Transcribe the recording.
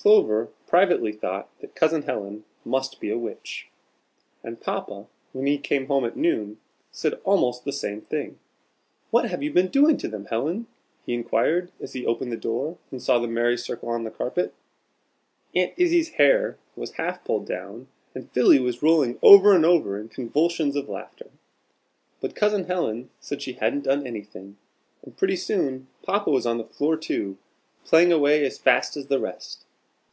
Clover privately thought that Cousin Helen must be a witch; and Papa, when he came home at noon, said almost the same thing. "What have you been doing to them, Helen?" he inquired, as he opened the door, and saw the merry circle on the carpet. Aunt Izzie's hair was half pulled down, and Philly was rolling over and over in convulsions of laughter. But Cousin Helen said she hadn't done anything, and pretty soon Papa was on the floor too, playing away as fast as the rest.